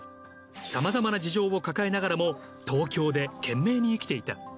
様々な事情を抱えながらも東京で懸命に生きていた。